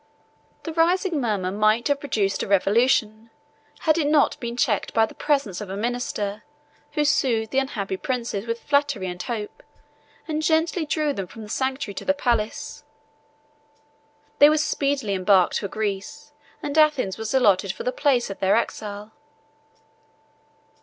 The rising murmur might have produced a revolution, had it not been checked by the presence of a minister, who soothed the unhappy princes with flattery and hope, and gently drew them from the sanctuary to the palace. They were speedily embarked for Greece, and Athens was allotted for the place of their exile.